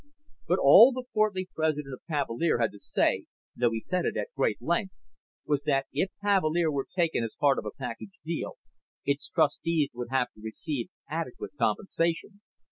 But all the portly president of Cavalier had to say, though he said it at great length, was that if Cavalier were taken as part of a package deal, its trustees would have to receive adequate compensation.